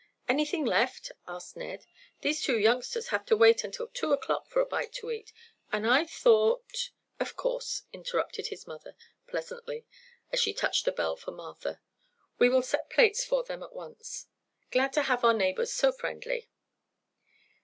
"Anything left?" asked Ned. "These two youngsters have to wait until two o'clock for a bite to eat, and I thought—" "Of course," interrupted his mother, pleasantly, as she touched the bell for Martha. "We will set plates for them at once. Glad to have our neighbors so friendly."